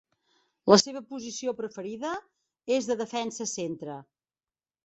La seva posició preferida és de defensa centre.